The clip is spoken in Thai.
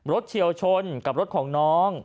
เฉียวชนกับรถของน้อง